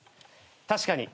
確かに。